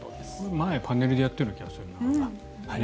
前パネルでやったような気がするな。